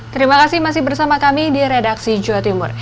terima kasih masih bersama kami di redaksi jawa timur